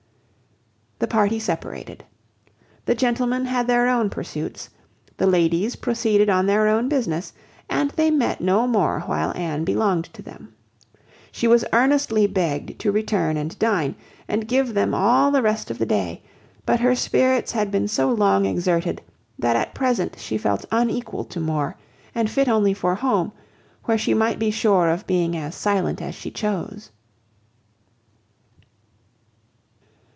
The party separated. The gentlemen had their own pursuits, the ladies proceeded on their own business, and they met no more while Anne belonged to them. She was earnestly begged to return and dine, and give them all the rest of the day, but her spirits had been so long exerted that at present she felt unequal to more, and fit only for home, where she might be sure of being as silent as she chose.